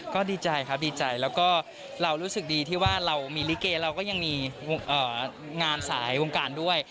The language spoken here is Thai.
ก็ดีใจครับดีใจแล้วก็เรารู้สึกดีที่ว่าเรามีลิเกเราก็ยังมีงานสายวงการด้วย